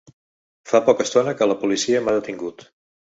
Fa poca estona que la policia m’ha detingut.